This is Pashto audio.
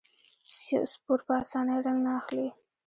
سپور په اسانۍ رنګ نه اخلي.